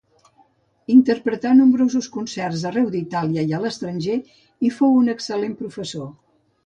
Interpretà nombrosos concerts arreu d'Itàlia i a l'estranger i fou un excel·lent professor.